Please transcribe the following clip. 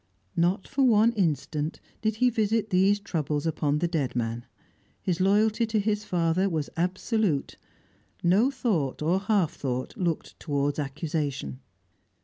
Not for one instant did he visit these troubles upon the dead man. His loyalty to his father was absolute; no thought, or half thought, looked towards accusation.